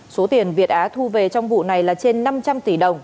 số tiền việt á thu về trong vụ này là trên năm trăm linh tỷ đồng